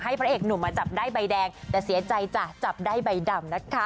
พระเอกหนุ่มมาจับได้ใบแดงแต่เสียใจจ้ะจับได้ใบดำนะคะ